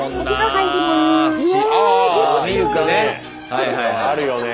はいはいはいあるよね。